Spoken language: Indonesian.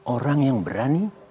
orang yang berani